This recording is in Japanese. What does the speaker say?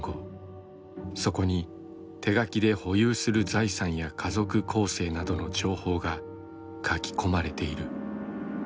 そこに手書きで保有する財産や家族構成などの情報が書き込まれている。